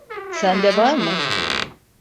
Sen de var mı?